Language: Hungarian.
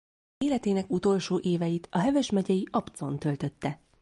Életének utolsó éveit a Heves megyei Apcon töltötte.